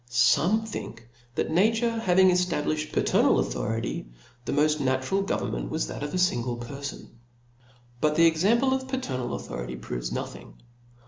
Some think that na ture having eftablifhed paternal authority, the moft natural government was that of a fingle perfon^ But the example of paternal authority proves no thing.